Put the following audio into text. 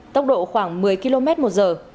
tốc độ khoảng một mươi km một giờ